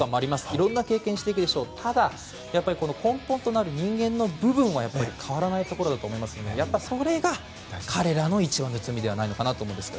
いろいろ経験するでしょうがただ、根本となる人間の部分は変わらないところだと思いますのでそれが彼らの一番の強みじゃないかと思うんですよ。